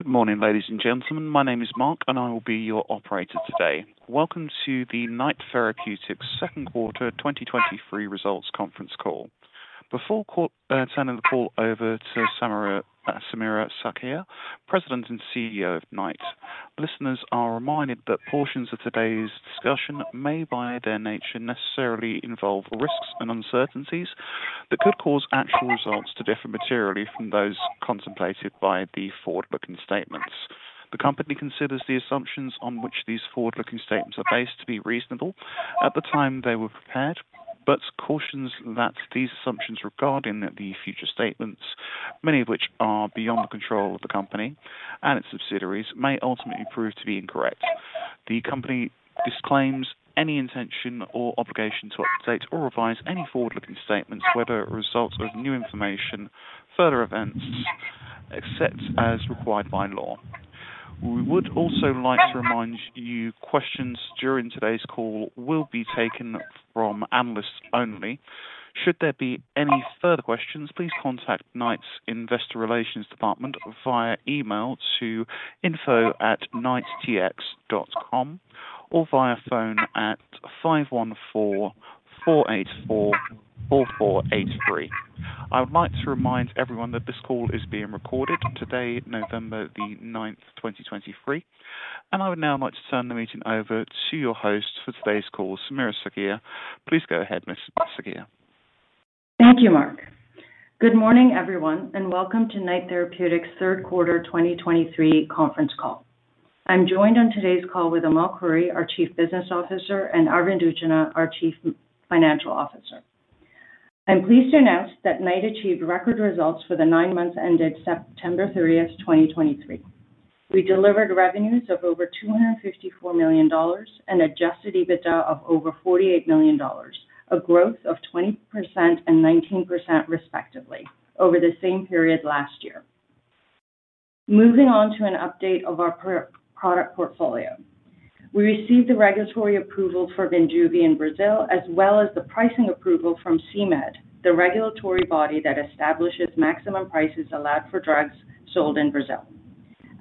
Good morning, ladies and gentlemen. My name is Mark, and I will be your operator today. Welcome to the Knight Therapeutics Second Quarter 2023 Results Conference Call. Before call... turning the call over to Samira, Samira Sakhia, President and CEO of Knight. Listeners are reminded that portions of today's discussion may, by their nature, necessarily involve risks and uncertainties that could cause actual results to differ materially from those contemplated by the forward-looking statements. The company considers the assumptions on which these forward-looking statements are based to be reasonable at the time they were prepared, but cautions that these assumptions regarding the future statements, many of which are beyond the control of the company and its subsidiaries, may ultimately prove to be incorrect. The company disclaims any intention or obligation to update or revise any forward-looking statements, whether as a result of new information, further events, except as required by law. We would also like to remind you, questions during today's call will be taken from analysts only. Should there be any further questions, please contact Knight's Investor Relations Department via email to info@knighttx.com or via phone at 514-484-4483. I would like to remind everyone that this call is being recorded today, November 9th, 2023, and I would now like to turn the meeting over to your host for today's call, Samira Sakhia. Please go ahead, Miss Sakhia. Thank you, Mark. Good morning, everyone, and welcome to Knight Therapeutics Third Quarter 2023 Conference Call. I'm joined on today's call with Amal Khouri, our Chief Business Officer, and Arvind Utchanah, our Chief Financial Officer. I'm pleased to announce that Knight achieved record results for the nine months ended September 30th, 2023. We delivered revenues of over 254 million dollars and adjusted EBITDA of over 48 million dollars, a growth of 20% and 19%, respectively, over the same period last year. Moving on to an update of our product portfolio. We received the regulatory approval for Minjuvi in Brazil, as well as the pricing approval from CMED, the regulatory body that establishes maximum prices allowed for drugs sold in Brazil.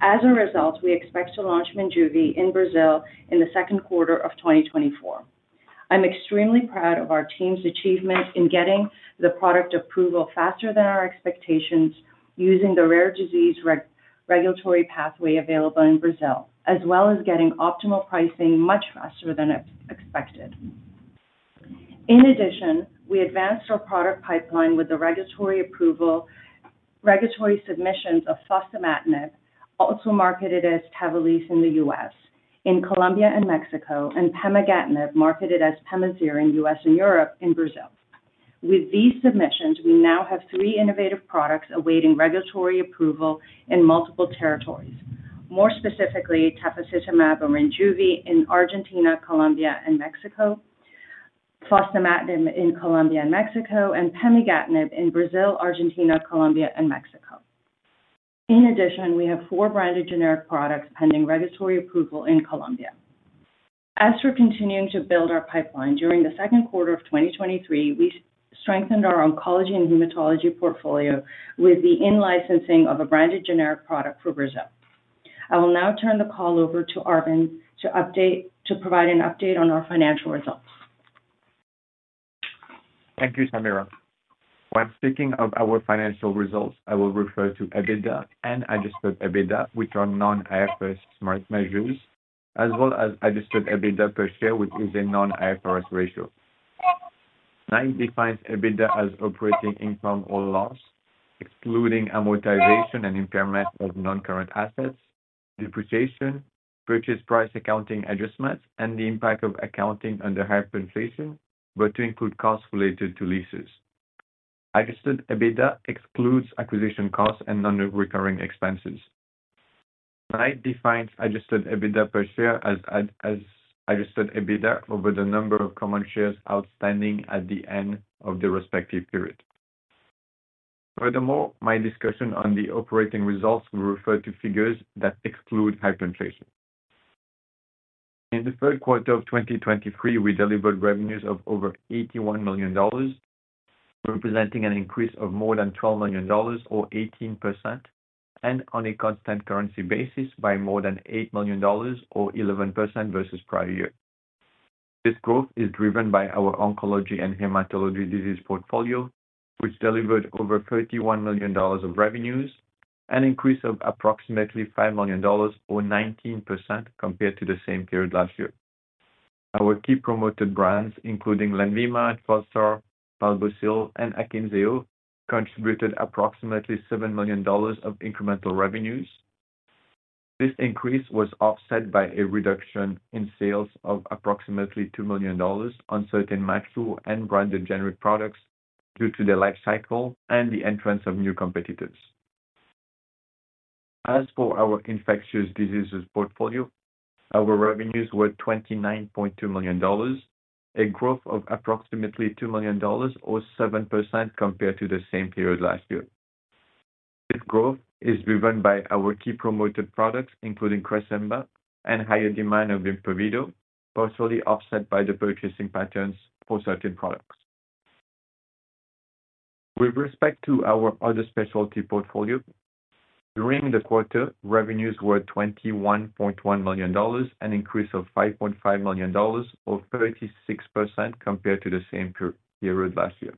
As a result, we expect to launch Minjuvi in Brazil in the second quarter of 2024. I'm extremely proud of our team's achievement in getting the product approval faster than our expectations, using the rare disease regulatory pathway available in Brazil, as well as getting optimal pricing much faster than expected. In addition, we advanced our product pipeline with regulatory submissions of fostamatinib, also marketed as TAVALISSE in the U.S., in Colombia and Mexico, and pemigatinib, marketed as PEMAZYRE in U.S. and Europe in Brazil. With these submissions, we now have three innovative products awaiting regulatory approval in multiple territories. More specifically, tafasitamab or Minjuvi in Argentina, Colombia, and Mexico, fostamatinib in Colombia and Mexico, and pemigatinib in Brazil, Argentina, Colombia, and Mexico. In addition, we have four branded generic products pending regulatory approval in Colombia. As we're continuing to build our pipeline during the second quarter of 2023, we strengthened our oncology and hematology portfolio with the in-licensing of a branded generic product for Brazil. I will now turn the call over to Arvind to provide an update on our financial results. Thank you, Samira. When speaking of our financial results, I will refer to EBITDA and adjusted EBITDA, which are non-IFRS measures, as well as adjusted EBITDA per share, which is a non-IFRS ratio. Knight defines EBITDA as operating income or loss, excluding amortization and impairment of non-current assets, depreciation, purchase price accounting adjustments, and the impact of hyperinflation accounting, but to include costs related to leases. Adjusted EBITDA excludes acquisition costs and non-recurring expenses. Knight defines adjusted EBITDA per share as adjusted EBITDA over the number of common shares outstanding at the end of the respective period. Furthermore, my discussion on the operating results will refer to figures that exclude hyperinflation. In the third quarter of 2023, we delivered revenues of over $81 million, representing an increase of more than $12 million or 18%, and on a constant currency basis, by more than $8 million or 11% versus prior year. This growth is driven by our oncology and hematology disease portfolio, which delivered over $31 million of revenues, an increase of approximately $5 million or 19% compared to the same period last year. Our key promoted brands, including LENVIMA, Trelstar, ONICIT, and AKYNZEO, contributed approximately $7 million of incremental revenues. This increase was offset by a reduction in sales of approximately $2 million on certain mature and branded generic products due to their life cycle and the entrance of new competitors. As for our infectious diseases portfolio, our revenues were 29.2 million dollars, a growth of approximately 2 million dollars or 7% compared to the same period last year. This growth is driven by our key promoted products, including Cresemba and higher demand of Impavido, partially offset by the purchasing patterns for certain products. With respect to our other specialty portfolio, during the quarter, revenues were 21.1 million dollars, an increase of 5.5 million dollars, or 36% compared to the same period last year.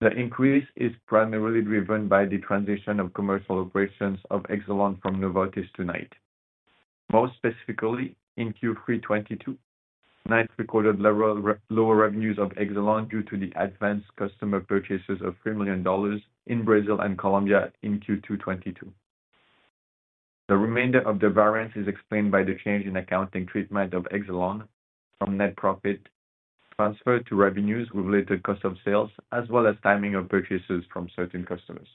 The increase is primarily driven by the transition of commercial operations of Exelon from Novartis to Knight. Most specifically, in Q3 2022, Knight recorded lower revenues of Exelon due to the advanced customer purchases of 3 million dollars in Brazil and Colombia in Q2 2022. The remainder of the variance is explained by the change in accounting treatment of Exelon from net profit transferred to revenues with related cost of sales, as well as timing of purchases from certain customers.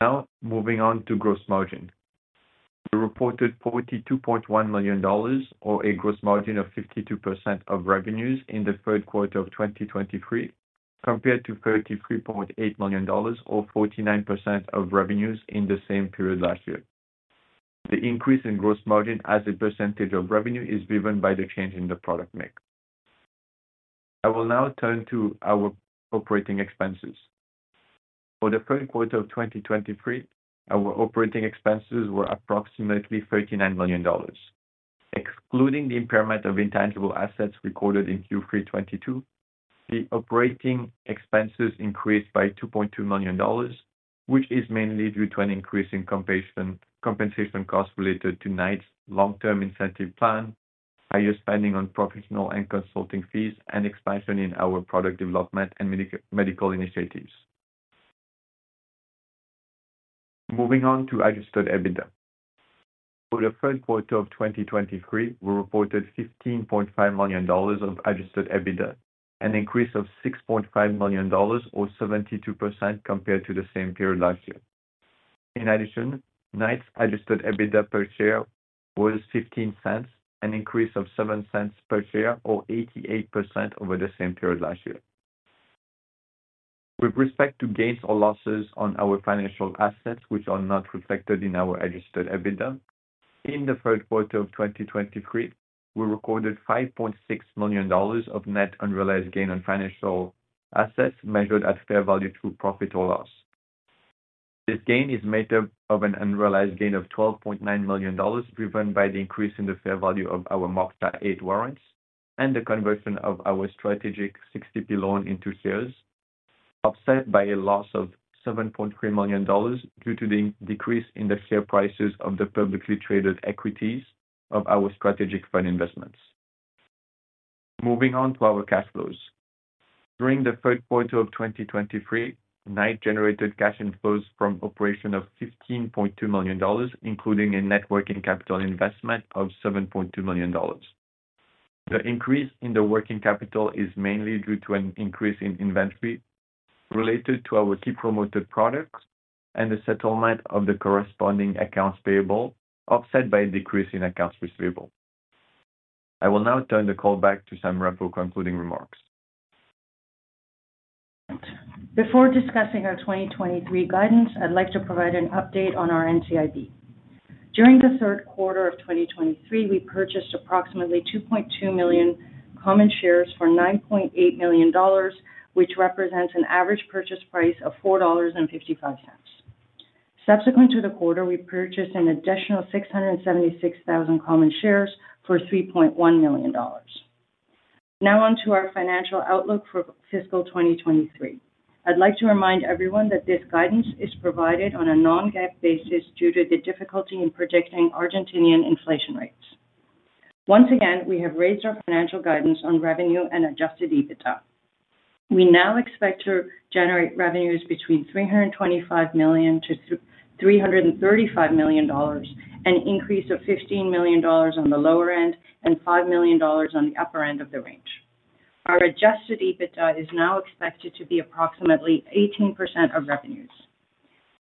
Now, moving on to gross margin. We reported 42.1 million dollars, or a gross margin of 52% of revenues in the third quarter of 2023, compared to 33.8 million dollars, or 49% of revenues in the same period last year. The increase in gross margin as a percentage of revenue, is driven by the change in the product mix. I will now turn to our operating expenses. For the third quarter of 2023, our operating expenses were approximately 39 million dollars. Excluding the impairment of intangible assets recorded in Q3 2022, the operating expenses increased by 2.2 million dollars, which is mainly due to an increase in compensation, compensation costs related to Knight's long-term incentive plan, higher spending on professional and consulting fees, and expansion in our product development and medical initiatives. Moving on to Adjusted EBITDA. For the third quarter of 2023, we reported 15.5 million dollars of Adjusted EBITDA, an increase of 6.5 million dollars, or 72% compared to the same period last year. In addition, Knight's Adjusted EBITDA per share was 0.15, an increase of 0.07 per share, or 88% over the same period last year. With respect to gains or losses on our financial assets, which are not reflected in our Adjusted EBITDA, in the third quarter of 2023, we recorded 5.6 million dollars of net unrealized gain on financial assets, measured at fair value through profit or loss. This gain is made up of an unrealized gain of 12.9 million dollars, driven by the increase in the fair value of our Moksha8 warrants and the conversion of our strategic 60P loan into shares, offset by a loss of 7.3 million dollars due to the decrease in the share prices of the publicly traded equities of our strategic fund investments. Moving on to our cash flows. During the third quarter of 2023, Knight generated cash inflows from operations of $15.2 million, including a net working capital investment of $7.2 million. The increase in the working capital is mainly due to an increase in inventory related to our key promoted products and the settlement of the corresponding accounts payable, offset by a decrease in accounts receivable. I will now turn the call back to Samira for concluding remarks. Before discussing our 2023 guidance, I'd like to provide an update on our NCIB. During the third quarter of 2023, we purchased approximately 2.2 million common shares for 9.8 million dollars, which represents an average purchase price of 4.55 dollars. Subsequent to the quarter, we purchased an additional 676,000 common shares for 3.1 million dollars. Now on to our financial outlook for fiscal 2023. I'd like to remind everyone that this guidance is provided on a non-GAAP basis due to the difficulty in predicting Argentinian inflation rates. Once again, we have raised our financial guidance on revenue and adjusted EBITDA. We now expect to generate revenues between 325 million to 335 million dollars, an increase of 15 million dollars on the lower end and 5 million dollars on the upper end of the range. Our Adjusted EBITDA is now expected to be approximately 18% of revenues.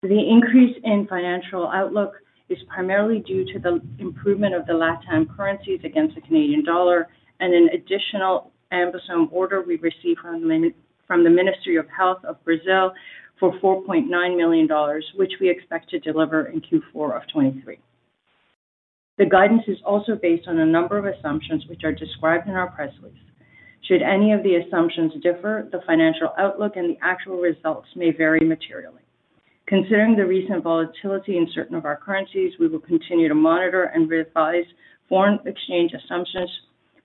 The increase in financial outlook is primarily due to the improvement of the Latin currencies against the Canadian dollar, and an additional AmBisome order we received from the Ministry of Health of Brazil for 4.9 million dollars, which we expect to deliver in Q4 of 2023. The guidance is also based on a number of assumptions which are described in our press release. Should any of the assumptions differ, the financial outlook and the actual results may vary materially. Considering the recent volatility in certain of our currencies, we will continue to monitor and revise foreign exchange assumptions,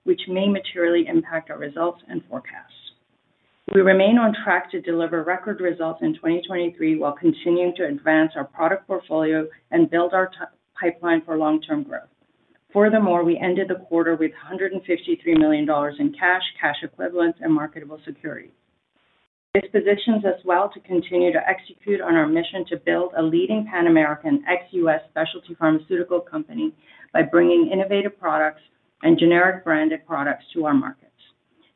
which may materially impact our results and forecasts. We remain on track to deliver record results in 2023, while continuing to advance our product portfolio and build our pipeline for long-term growth. Furthermore, we ended the quarter with 153 million dollars in cash, cash equivalents, and marketable securities. This positions us well to continue to execute on our mission to build a leading Pan-American ex-U.S. specialty pharmaceutical company by bringing innovative products and generic branded products to our markets.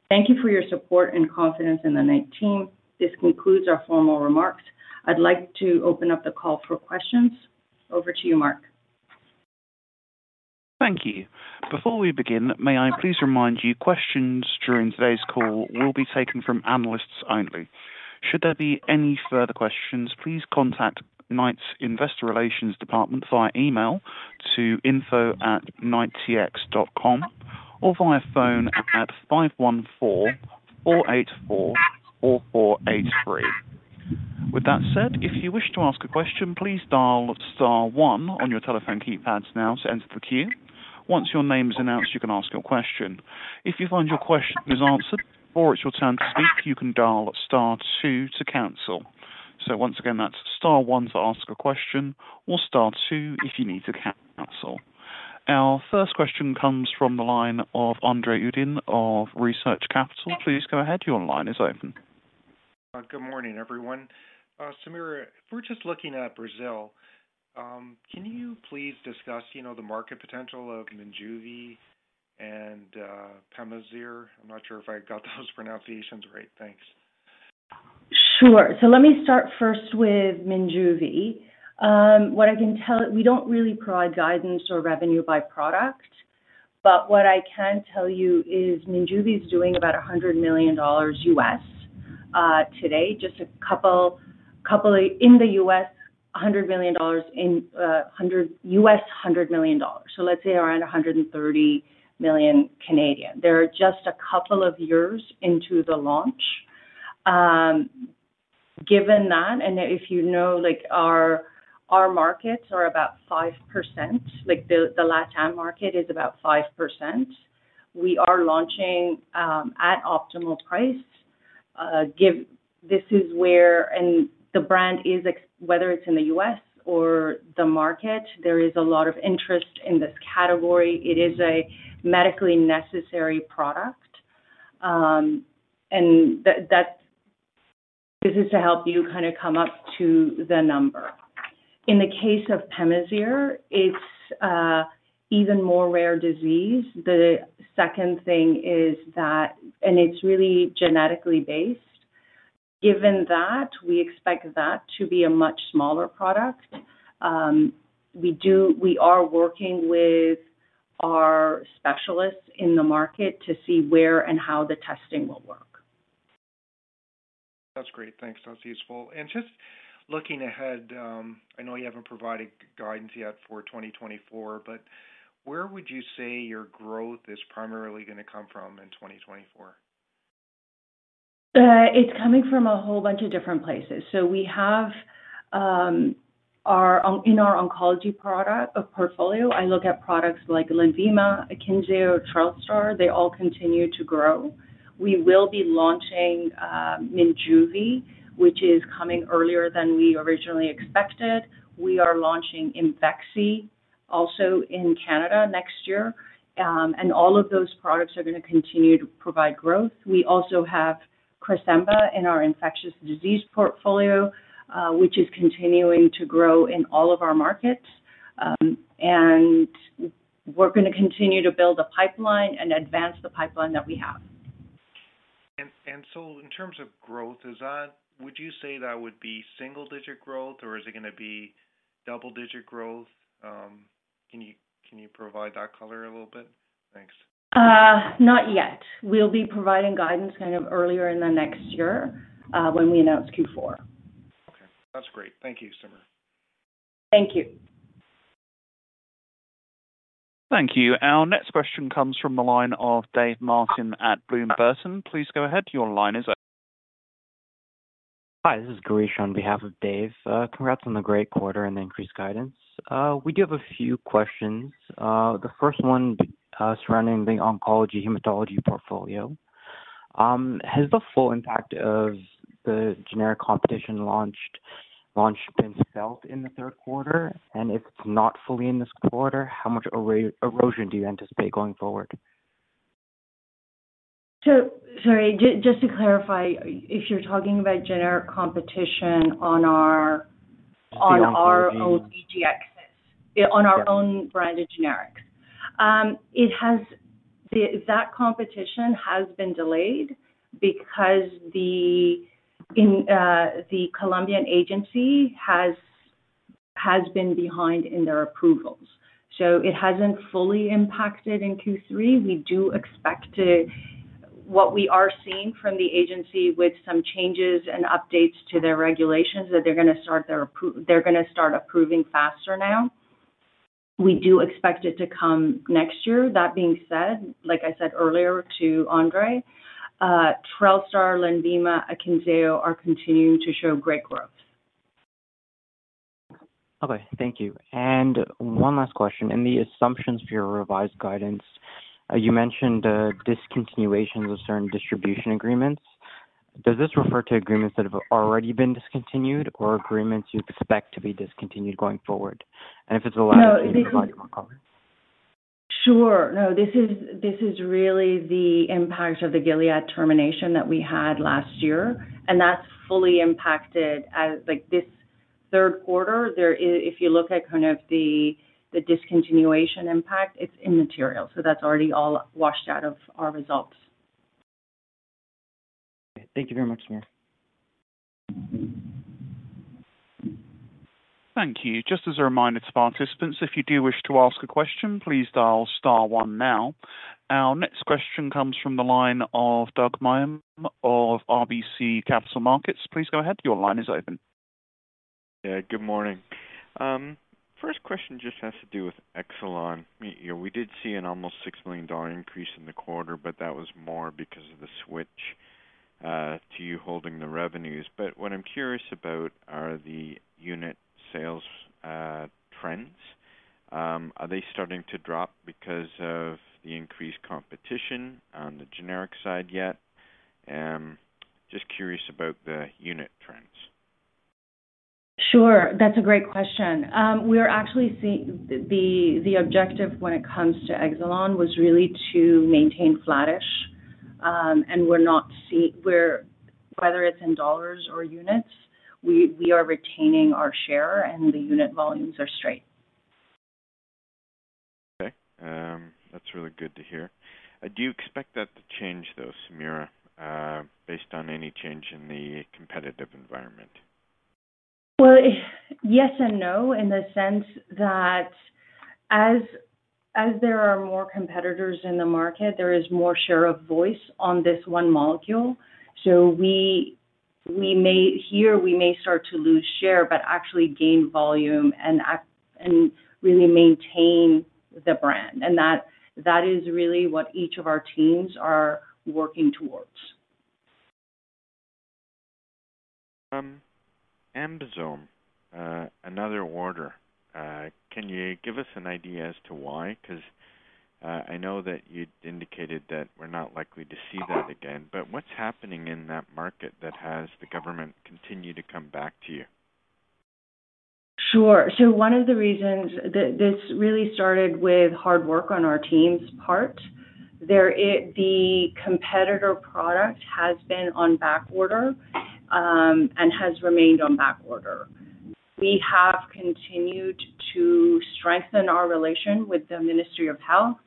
Thank you for your support and confidence in the Knight team. This concludes our formal remarks. I'd like to open up the call for questions. Over to you, Mark. Thank you. Before we begin, may I please remind you, questions during today's call will be taken from analysts only. Should there be any further questions, please contact Knight's Investor Relations Department via email to info@knighttx.com, or via phone at 514-484-4483. With that said, if you wish to ask a question, please dial star one on your telephone keypads now to enter the queue. Once your name is announced, you can ask your question. If you find your question is answered before it's your turn to speak, you can dial star two to cancel. So once again, that's star one to ask a question or star two if you need to cancel. Our first question comes from the line of Andre Uddin of Research Capital. Please go ahead. Your line is open. Good morning, everyone. Samira, if we're just looking at Brazil, can you please discuss, you know, the market potential of Minjuvi and PEMAZYRE? I'm not sure if I got those pronunciations right. Thanks. Sure. So let me start first with Minjuvi. What I can tell, we don't really provide guidance or revenue by product, but what I can tell you is Minjuvi is doing about $100 million today. Just a couple in the U.S., $100 million. So let's say around 130 million. They are just a couple of years into the launch. Given that, and if you know, like, our markets are about 5%, like, the Latin market is about 5%. We are launching at optimal price. This is where, and the brand is excellent whether it's in the U.S. or the market, there is a lot of interest in this category. It is a medically necessary product. And that, this is to help you kinda come up to the number. In the case of PEMAZYRE, it's even more rare disease. The second thing is that, and it's really genetically based. Given that, we expect that to be a much smaller product. We are working with our specialists in the market to see where and how the testing will work. That's great. Thanks. That's useful. Just looking ahead, I know you haven't provided guidance yet for 2024, but where would you say your growth is primarily going to come from in 2024? It's coming from a whole bunch of different places. So we have, our, in our oncology product of portfolio, I look at products like LENVIMA, AKYNZEO, Trelstar. They all continue to grow. We will be launching, Minjuvi, which is coming earlier than we originally expected. We are launching IMVEXXY, also in Canada next year. And all of those products are going to continue to provide growth. We also have Cresemba in our infectious disease portfolio, which is continuing to grow in all of our markets. And we're going to continue to build a pipeline and advance the pipeline that we have. So in terms of growth, is that, would you say that would be single-digit growth, or is it going to be double-digit growth? Can you provide that color a little bit? Thanks. Not yet. We'll be providing guidance kind of earlier in the next year, when we announce Q4. Okay, that's great. Thank you, Samira. Thank you. Thank you. Our next question comes from the line of Dave Martin at Bloom Burton. Please go ahead. Your line is open. Hi, this is Gireesh on behalf of Dave. Congrats on the great quarter and the increased guidance. We do have a few questions. The first one, surrounding the oncology hematology portfolio. Has the full impact of the generic competition launched, launch been felt in the third quarter? And if it's not fully in this quarter, how much erosion do you anticipate going forward? Sorry, just, just to clarify, if you're talking about generic competition on our- On our- On our own BGXs, on our own branded generics. That competition has been delayed because the Colombian agency has been behind in their approvals, so it hasn't fully impacted in Q3. We do expect it, what we are seeing from the agency with some changes and updates to their regulations, that they're going to start approving faster now. We do expect it to come next year. That being said, like I said earlier to Andre, Trelstar, LENVIMA, AKYNZEO are continuing to show great growth. Okay. Thank you. One last question. In the assumptions for your revised guidance, you mentioned, discontinuations of certain distribution agreements. Does this refer to agreements that have already been discontinued or agreements you expect to be discontinued going forward? And if it's the latter- No, this- Provide more color. Sure. No, this is really the impact of the Gilead termination that we had last year, and that's fully impacted, like, this third quarter. There is, if you look at kind of the discontinuation impact, it's immaterial, so that's already all washed out of our results. Thank you very much, Samira. Thank you. Just as a reminder to participants, if you do wish to ask a question, please dial star one now. Our next question comes from the line of Doug Miehm of RBC Capital Markets. Please go ahead. Your line is open. Yeah, good morning. First question just has to do with Exelon. We did see an almost 6 million dollar increase in the quarter, but that was more because of the switch to you holding the revenues. But what I'm curious about are the unit sales trends. Are they starting to drop because of the increased competition on the generic side yet? Just curious about the unit trends. Sure. That's a great question. We are actually seeing the objective when it comes to Exelon was really to maintain flattish, and we're not seeing where whether it's in dollars or units, we are retaining our share and the unit volumes are straight. Okay. That's really good to hear. Do you expect that to change, though, Samira, based on any change in the competitive environment? Well, yes and no, in the sense that as there are more competitors in the market, there is more share of voice on this one molecule. So we may start to lose share here, but actually gain volume and actually maintain the brand. That is really what each of our teams are working towards. AmBisome, another order. Can you give us an idea as to why? 'Cause, I know that you indicated that we're not likely to see that again, but what's happening in that market that has the government continue to come back to you? Sure. So one of the reasons that this really started with hard work on our team's part. The competitor product has been on backorder and has remained on backorder. We have continued to strengthen our relation with the Ministry of Health.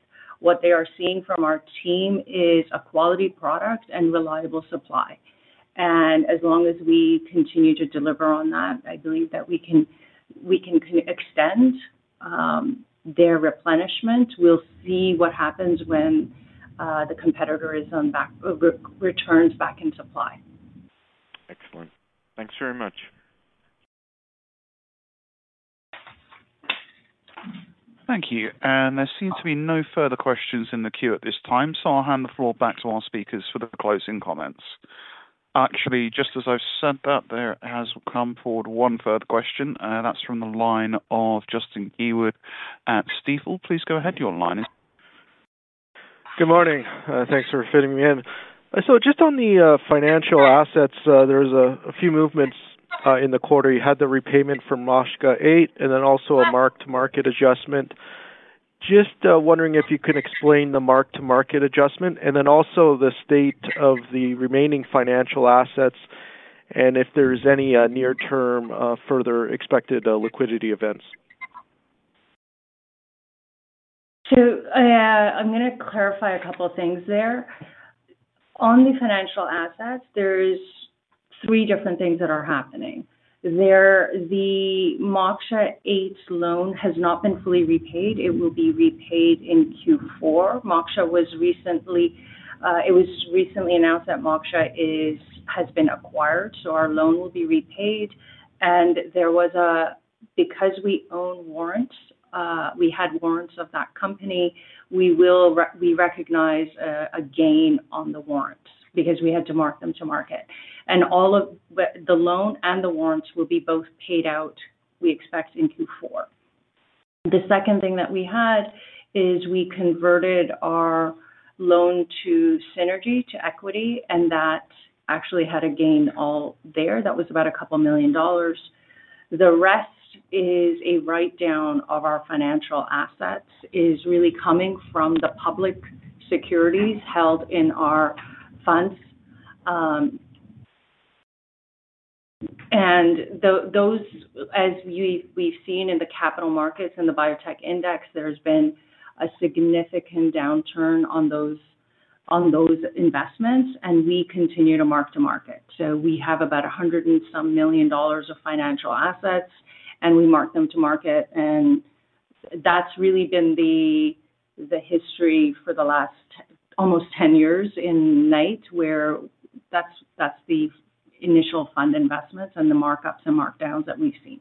What they are seeing from our team is a quality product and reliable supply. And as long as we continue to deliver on that, I believe that we can extend their replenishment. We'll see what happens when the competitor returns back in supply. Excellent. Thanks very much. Thank you. There seems to be no further questions in the queue at this time, so I'll hand the floor back to our speakers for the closing comments. Actually, just as I've said that, there has come forward one further question, that's from the line of Justin Keywood at Stifel. Please go ahead, your line is- Good morning. Thanks for fitting me in. So just on the financial assets, there's a few movements in the quarter. You had the repayment from Moksha8, and then also a mark-to-market adjustment. Just wondering if you could explain the mark-to-market adjustment, and then also the state of the remaining financial assets, and if there's any near-term further expected liquidity events. So, I'm going to clarify a couple of things there. On the financial assets, there's three different things that are happening. The Moksha8 loan has not been fully repaid. It will be repaid in Q4. It was recently announced that Moksha8 has been acquired, so our loan will be repaid, and because we own warrants, we had warrants of that company, we recognize a gain on the warrants because we had to mark them to market. But the loan and the warrants will be both paid out, we expect in Q4. The second thing that we had is we converted our loan to 60P to equity, and that actually had a gain already. That was about 2 million dollars. The rest is a write-down of our financial assets, is really coming from the public securities held in our funds. And those, as we've seen in the capital markets and the biotech index, there's been a significant downturn on those investments, and we continue to mark to market. So we have about $100 and some million of financial assets, and we mark them to market, and that's really been the history for the last almost 10 years in Knight, where that's the initial fund investments and the markups and markdowns that we've seen.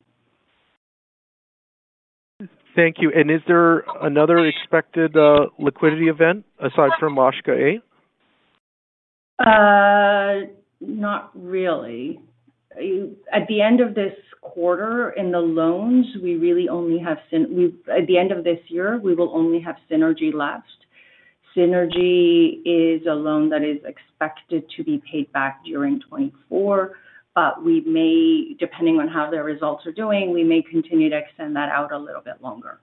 Thank you. Is there another expected liquidity event aside from Moksha8? Not really. At the end of this quarter, in the loans, we really only have Synergy. We, at the end of this year, we will only have Synergy left. Synergy is a loan that is expected to be paid back during 2024, but we may, depending on how the results are doing, we may continue to extend that out a little bit longer.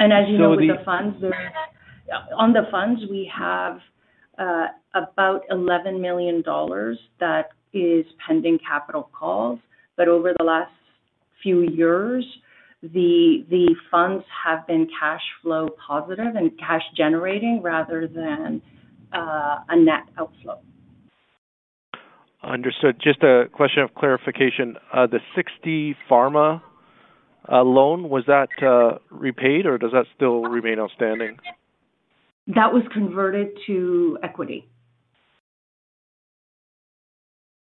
And as you know, the funds- So the- On the funds, we have about $11 million that is pending capital calls, but over the last few years, the funds have been cash flow positive and cash generating rather than a net outflow. Understood. Just a question of clarification. The Sixty Pharma loan, was that repaid or does that still remain outstanding? That was converted to equity.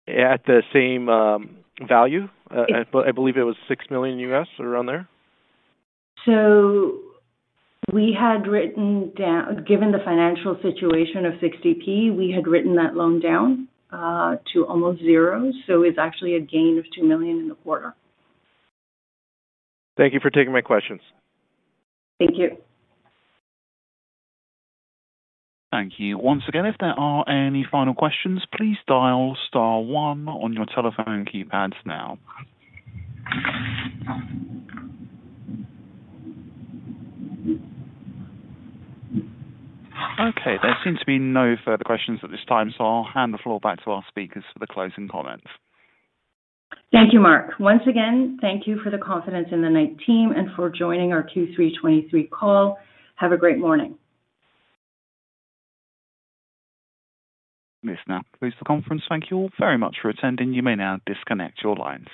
At the same value? I believe it was $6 million, around there. So, given the financial situation of 60P, we had written that loan down to almost zero, so it's actually a gain of 2 million in the quarter. Thank you for taking my questions. Thank you. Thank you. Once again, if there are any final questions, please dial star one on your telephone keypads now. Okay, there seems to be no further questions at this time, so I'll hand the floor back to our speakers for the closing comments. Thank you, Mark. Once again, thank you for the confidence in the Knight team and for joining our Q3 2023 call. Have a great morning. This now concludes the conference. Thank you all very much for attending. You may now disconnect your lines.